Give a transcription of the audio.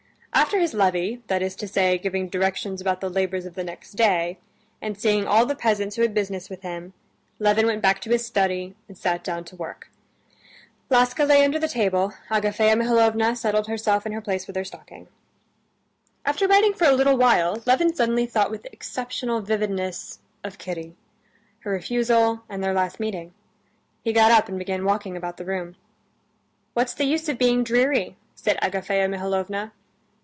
After his levee, that is to say, giving directions about the labors of the next day, and seeing all the peasants who had business with him, Levin went back to his study and sat down to work. Laska lay under the table; Agafea Mihalovna settled herself in her place with her stocking. After writing for a little while, Levin suddenly thought with exceptional vividness of Kitty, her refusal, and their last meeting. He got up and began walking about the room. "What's the use of being dreary?" said Agafea Mihalovna.